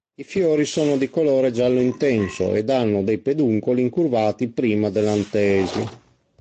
I fiori sono di colore giallo-intenso ed hanno dei peduncoli incurvati prima dell'antesi.